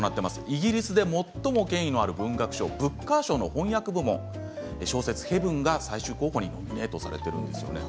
イギリスで最も権威のある文学賞ブッカー賞の翻訳部門小説「ヘヴン」が最終候補にノミネートされているんですよね。